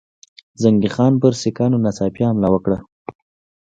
زنګي خان پر سیکهانو ناڅاپي حمله وکړه.